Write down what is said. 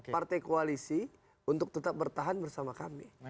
partai koalisi untuk tetap bertahan bersama kami